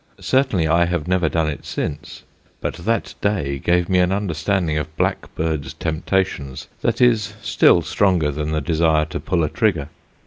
Certainly I have never done it since; but that day gave me an understanding of blackbirds' temptations that is still stronger than the desire to pull a trigger.